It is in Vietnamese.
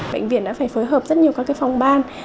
bệnh viện đã phải phối hợp rất nhiều các phòng ban